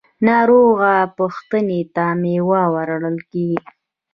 ناروغه پوښتنې ته میوه وړل کیږي.